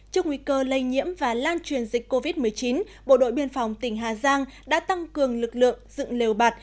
trước nguy cơ lây nhiễm và lan truyền dịch covid một mươi chín bộ đội biên phòng tỉnh hà giang đã tăng cường lực lượng dựng lều bạt